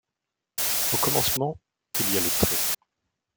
Au commencement il y a le trait.